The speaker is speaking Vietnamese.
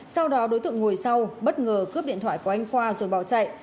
sau đó đối tượng ngồi sau bất ngờ cướp điện thoại của anh khoa rồi bỏ chạy